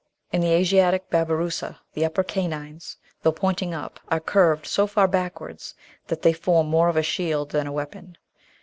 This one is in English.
In the Asiatic Babirusa the upper canines, though pointing up, are curved so far backwards that they form more of a shield than a weapon.